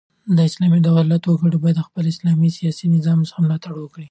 د اسلامي دولت وګړي بايد د خپل اسلامي سیاسي نظام څخه ملاتړ وکړي.